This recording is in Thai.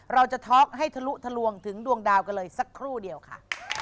เราจะท็อกให้ทะลุทะลวงถึงดวงดาวกันเลยสักครู่เดียวค่ะ